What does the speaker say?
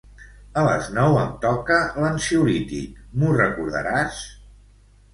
A les nou em toca l'ansiolític, m'ho recordaràs?